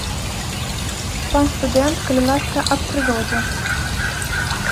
Пан студэнт, калі ласка, аб прыродзе.